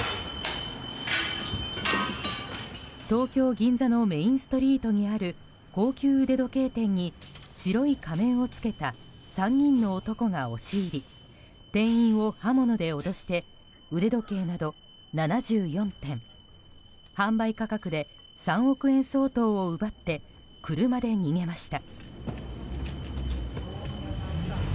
東京・銀座のメインストリートにある高級腕時計店に白い仮面を着けた３人の男が押し入り店員を刃物で脅して腕時計など７４点販売価格で３億円相当を奪って車で逃げました。